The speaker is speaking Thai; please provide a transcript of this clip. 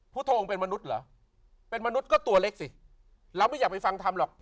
พุทธองค์เป็นมนุษย์เหรอเป็นมนุษย์ก็ตัวเล็กสิเราไม่อยากไปฟังธรรมหรอก